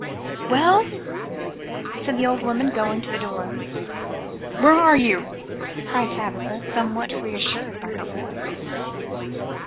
"Well," said the old woman, going to the door. "Where are you?" cried Tabitha, somewhat reassured by her voice.